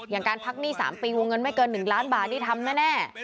อย่างการพักหนี้๓ปีวงเงินไม่เกิน๑ล้านบาทนี่ทำแน่